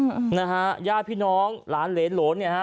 หายไปนานนานมากนะฮะญาติพี่น้องร้านเลสโหลดเนี้ยฮะ